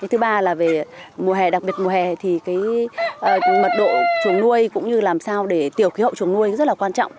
thứ ba là về mùa hè đặc biệt mùa hè thì mật độ chuồng nuôi cũng như làm sao để tiểu khí hậu chuồng nuôi rất là quan trọng